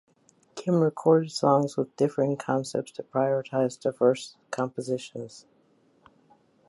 Kim recorded songs with differing concepts to prioritize diverse compositions.